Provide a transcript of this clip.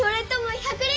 １００Ｌ！